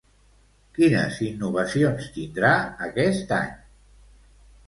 Quines innovacions tindrà aquest any?